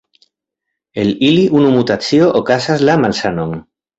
El ili unu mutacio okazas la malsanon.